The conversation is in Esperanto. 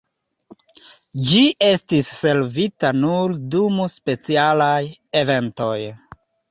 Ĝi estis servita nur dum specialaj eventoj.